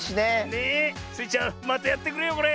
ねえ。スイちゃんまたやってくれよこれ。